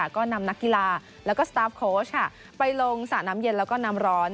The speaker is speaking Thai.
ก็นำนักกีฬาแล้วก็สตาร์ฟโค้ชไปลงสระน้ำเย็นแล้วก็น้ำร้อน